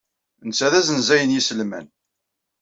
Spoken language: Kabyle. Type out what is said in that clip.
Netta d asenzay n yiselman.